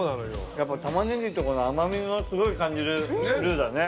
やっぱ玉ねぎとかの甘みがすごい感じるルーだね。